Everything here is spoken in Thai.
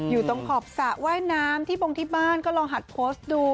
อยู่ตรงขอบสระว่ายน้ำที่บงที่บ้านก็ลองหัดโพสต์ดู